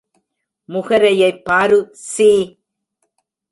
முகரையைப் பாரு சீ!